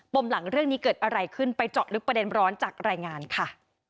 มหลังเรื่องนี้เกิดอะไรขึ้นไปเจาะลึกประเด็นร้อนจากรายงานค่ะ